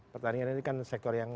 pertanian ini kan sektor yang